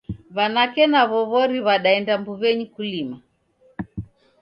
W'anake naw'o w'ori w'adaenda mbuw'enyi kulima.